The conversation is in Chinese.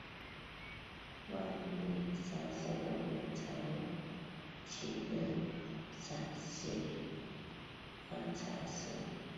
万历三十五年才起任陕西按察使。